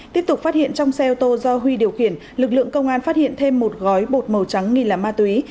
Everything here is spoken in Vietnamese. tiếp tục phát hiện trong xe ô tô do huy điều khiển lực lượng công an phát hiện thêm một gói bột màu trắng nghi là ma túy